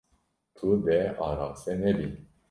Tu dê araste nebî.